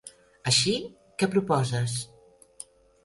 Així, què proposes?